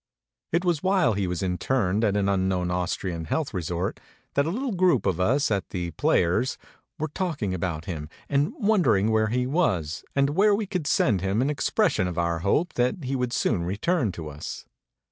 It was while he was interned at an unknown Austrian health resort that a little group of us at The Players were talking about him and wondering where he was and where we could send him an expression of our hope that he would soon return to us.